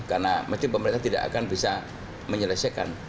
karena pasti pemerintah tidak akan bisa menyelesaikan